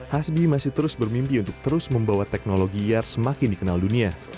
hasbi masih terus bermimpi untuk terus membawa teknologi ar semakin dikenal dunia